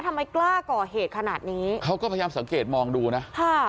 ทำไมกล้าก่อเหตุขนาดนี้เขาก็พยายามสังเกตมองดูนะค่ะ